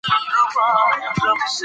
ایا ته غواړې چې نن خپل زوی ته زنګ ووهې؟